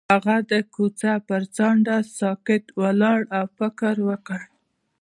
هغه د کوڅه پر څنډه ساکت ولاړ او فکر وکړ.